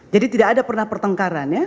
jadi tidak ada pernah pertengkaran ya